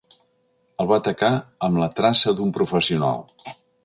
El va atacar amb la traça d'un professional.